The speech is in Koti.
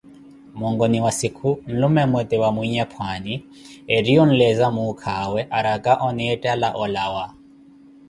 Monkoni wa sikhu, nlume mmote wa mwinyapwaani ettiye onleeza muuka awe araka onettala olawa.